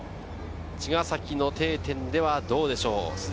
茅ヶ崎の定点ではどうでしょう？